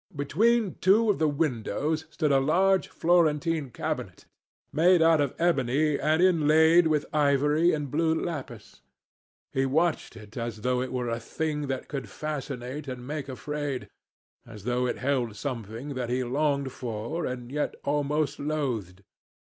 Between two of the windows stood a large Florentine cabinet, made out of ebony and inlaid with ivory and blue lapis. He watched it as though it were a thing that could fascinate and make afraid, as though it held something that he longed for and yet almost loathed.